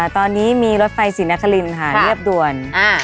อ่อตอนนี้มีรถไฟสีนาคารินค่ะเรียบดวน